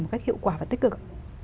một cách hiệu quả và tích cực